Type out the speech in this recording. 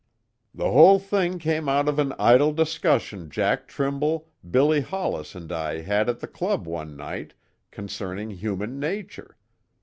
"The whole thing came out of an idle discussion Jack Trimble, Billy Hollis and I had at the club one night concerning human nature.